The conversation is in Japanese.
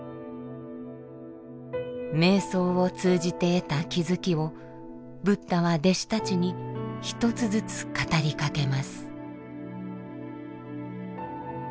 瞑想を通じて得た気づきをブッダは弟子たちに一つずつ語りかけます。